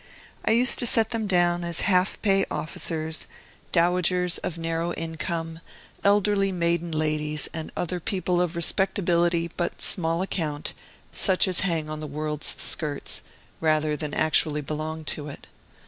I used to set them down as half pay officers, dowagers of narrow income, elderly maiden ladies, and other people of respectability, but small account, such as hang on the world's skirts rather than actually belong to it.